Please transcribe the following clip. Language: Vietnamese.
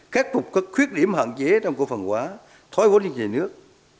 khắc phục các khuyết điểm hạn chế trong cổ phần hóa thói vốn nhà nước